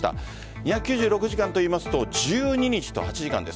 ２９６時間といいますと１２日と８時間です。